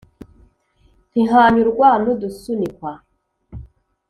Ntihanyurwa n'udusunikwa